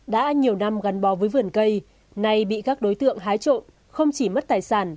đã nhiều năm gắn bó với vườn cây nay bị các đối tượng hái trộn không chỉ mất tài sản